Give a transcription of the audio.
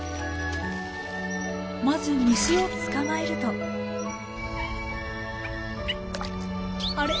まず虫を捕まえるとあれ？